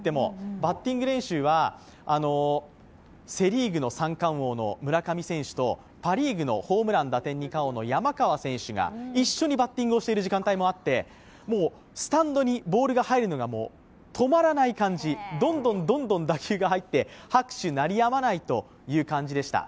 バッティング練習はセ・リーグの三冠王の村上選手とパ・リーグのホームラン打点二冠王の山川選手が一緒にバッティングをしている時間帯もあって、スタンドにボールが入るのが止まらない感じ、どんどん打球が入って拍手鳴りやまないという感じでした。